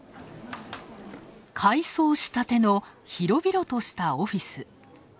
改装したての広々としたオフィス。